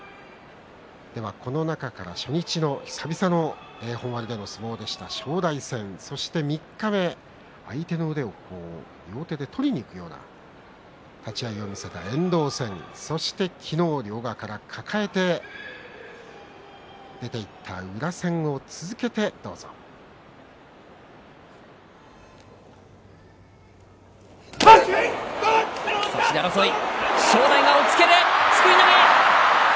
この中から初日久々の本割での相撲で正代戦３日目、相手の腕を両手で取りにいくような立ち合いを見せた遠藤戦そして昨日両側から抱えて出ていった宇良戦を続けてご覧ください。